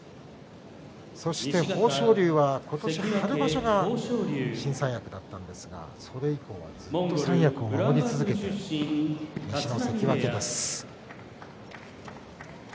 そして豊昇龍は今年、春場所は新三役だったんですが、それ以降ずっと三役を守り続けている西の関脇です。